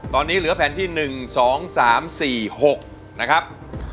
ตอนนี้เหลือแผ่นที่๑๒๓๔๖นะครับ